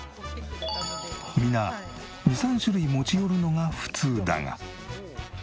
皆２３種類持ち寄るのが普通だが。